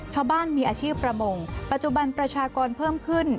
ชาวบ้านมีอาชีพประมงปัจจุบันประชากรเพิ่มขึ้น